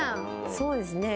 そうですね。